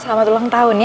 selamat ulang tahun ya